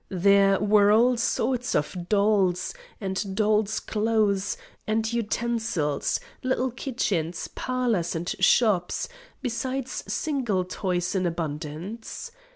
There were all sorts of dolls, and dolls' clothes, and utensils; little kitchens, parlours, and shops; besides single toys in abundance.